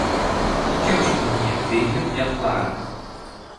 Иккӗмӗш кунне тренер ятларӗ.